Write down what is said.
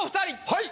はい！